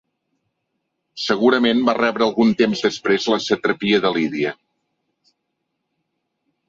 Segurament va rebre algun temps després la satrapia de Lídia.